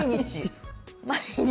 毎日？